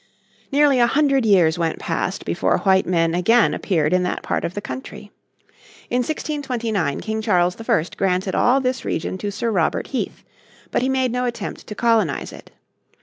Nearly a hundred years went past before white men again appeared in that part of the country. In 1629 King Charles I granted all this region to Sir Robert Heath, but he made no attempt to colonise it.